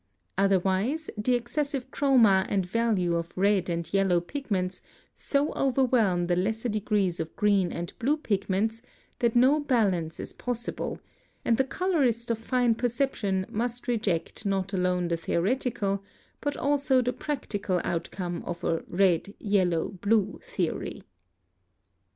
Otherwise, the excessive chroma and value of red and yellow pigments so overwhelm the lesser degrees of green and blue pigments that no balance is possible, and the colorist of fine perception must reject not alone the theoretical, but also the practical outcome of a "red yellow blue" theory.